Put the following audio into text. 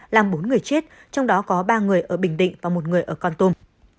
làm bốn người chết trong đó có ba người ở bình định và một người ở con tum